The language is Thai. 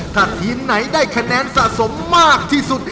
ถ้าทีมไหนได้คะแนนสะสมมากที่สุด